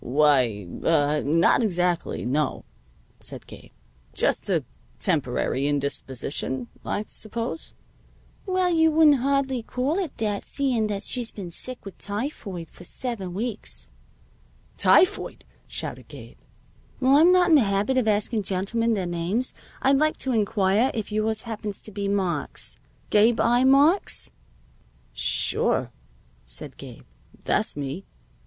"Why ah not exactly; no," said Gabe. "Just a temporary indisposition, I suppose?" "Well, you wouldn't hardly call it that, seeing that she's been sick with typhoid for seven weeks." "Typhoid!" shouted Gabe. "While I'm not in the habit of asking gentlemen their names, I'd like to inquire if yours happens to be Marks Gabe I. Marks?" "Sure," said Gabe. "That's me."